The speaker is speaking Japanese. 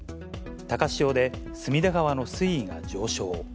高潮で隅田川の水位が上昇。